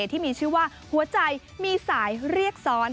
ที่มีชื่อว่าหัวใจมีสายเรียกซ้อน